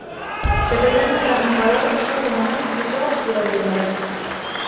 E pretenden darnos valor só como nais e só durante o embarazo.